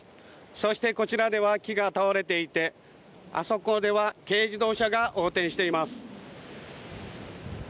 そして、こちらでは木が倒れていてあそこでは軽自動車が横転しています。